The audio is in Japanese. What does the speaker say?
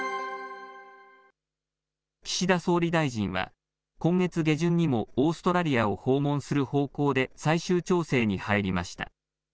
岸田総理大臣は、今月下旬にもオーストラリアを訪問する方向で最終調整に入りました。